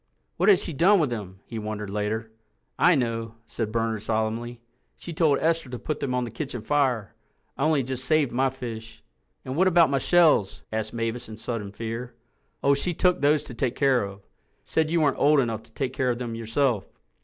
"What has she done with them?" he wondered later. "I know," said Bernard solemnly. "She told Esther to put them on the kitchen fire—I only just saved my fish." "And what about my shells?" asked Mavis in sudden fear. "Oh, she took those to take care of. Said you weren't old enough to take care of them yourself."